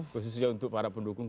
khususnya untuk para pendukung